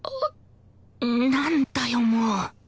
なんだよもう